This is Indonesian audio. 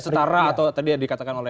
setara atau tadi yang dikatakan oleh